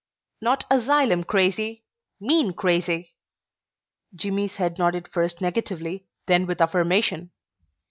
"Not asylum crazy mean crazy." Jimmy's head nodded first negatively, then with affirmation.